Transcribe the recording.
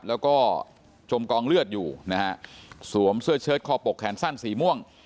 แล้วก็จมกองเลือดอยู่นะฮะสวมเสื้อเชิดคอปกแขนสั้นสีม่วง